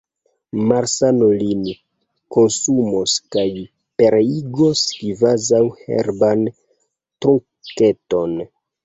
malsano lin konsumos kaj pereigos, kvazaŭ herban trunketon!